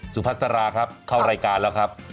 สุพัสราครับเข้ารายการแล้วครับ